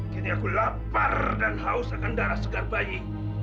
kini aku lapar dan haus akan darah segar bayi